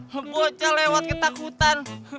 membaca lewat ketakutan